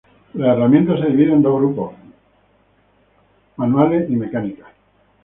Las herramientas se dividen en dos grandes grupos: manuales y mecánicas.